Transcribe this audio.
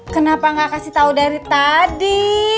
kenapa gak kasih tau dari tadi